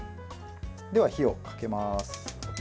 では、火をかけます。